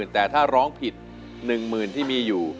แต่ถ้าร้องผิด๑๐๐๐ที่มีอยู่